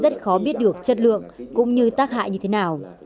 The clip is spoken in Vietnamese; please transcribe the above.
có biết được chất lượng cũng như tác hại như thế nào